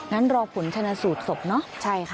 งั้นรอผลชนะสูตรสบเนอะใช่ค่ะใช่ค่ะ